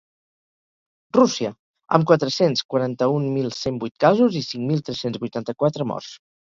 Rússia, amb quatre-cents quaranta-un mil cent vuit casos i cinc mil tres-cents vuitanta-quatre morts.